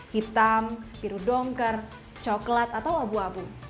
hitam biru dongker coklat atau abu abu